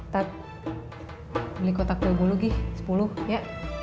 tat beli kotak kue bolu gi sepuluh ya